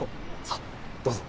さあどうぞ。